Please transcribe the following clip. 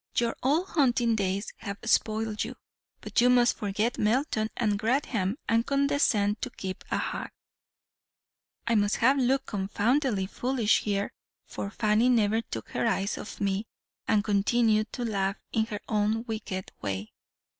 Your old hunting days have spoiled you; but you must forget Melton and Grantham, and condescend to keep a hack.' "I must have looked confoundedly foolish here, for Fanny never took her eyes off me, and continued to laugh in her own wicked way.